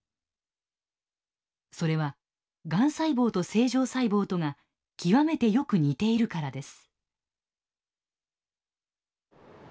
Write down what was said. それはがん細胞と正常細胞とが極めてよく似ているからです。